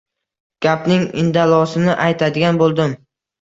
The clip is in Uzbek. Gapning indallosini aytadigan bo‘ldim.